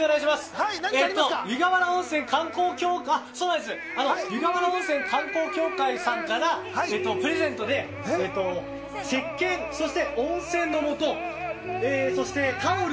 湯河原温泉観光協会さんからプレゼントでせっけんと温泉の素そして、タオル。